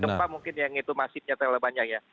gempa mungkin yang itu masifnya terlalu banyak ya